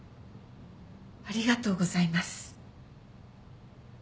ありがとうございます。